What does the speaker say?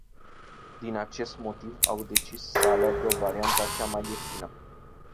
Din acest motiv au decis să aleagă varianta cea mai ieftină.